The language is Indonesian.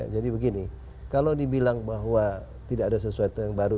jadi begini kalau dibilang bahwa tidak ada sesuatu yang baru